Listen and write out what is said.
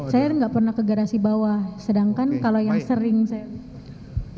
saya nggak pernah ke garasi bawah sedangkan kalau yang sering saya